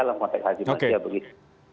dalam konsep hakimatnya